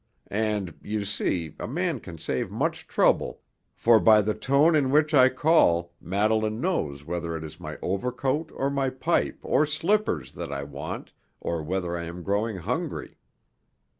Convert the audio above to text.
And, you see, a man can save much trouble, for by the tone in which I call Madeleine knows whether it is my overcoat or my pipe or slippers that I want, or whether I am growing hungry."